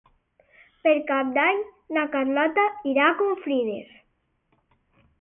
Per Cap d'Any na Carlota irà a Confrides.